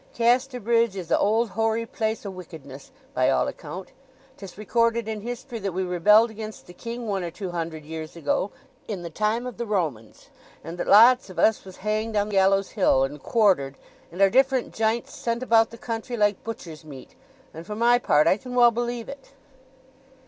"Casterbridge is a old, hoary place o' wickedness, by all account. 'Tis recorded in history that we rebelled against the King one or two hundred years ago, in the time of the Romans, and that lots of us was hanged on Gallows Hill, and quartered, and our different jints sent about the country like butcher's meat; and for my part I can well believe it."